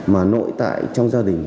mà nội tại trong gia đình